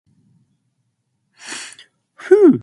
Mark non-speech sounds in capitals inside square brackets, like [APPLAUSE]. [HESITATION] Phew!